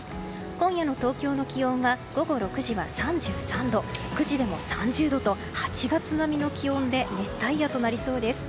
今夜の東京の気温は午後６時は３３度９時でも３０度と８月並みの気温で熱帯夜となりそうです。